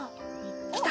きた！